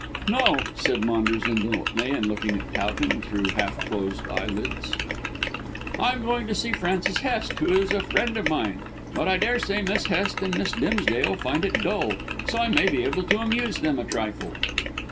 "No," said Maunders indolently and looking at Towton through half closed eyelids. "I am going to see Francis Hest, who is a friend of mine. But I daresay Miss Hest and Miss Dimsdale find it dull, so I may be able to amuse them a trifle."